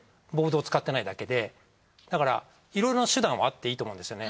だからいろいろな手段はあっていいと思うんですよね。